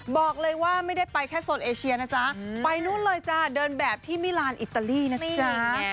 บอกเลยว่าไม่ได้ไปแค่โซนเอเชียนะจ๊ะไปนู่นเลยจ้าเดินแบบที่มิลานอิตาลีนะจ๊ะ